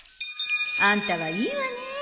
あんたはいいわねえ